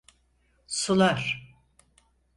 Sular…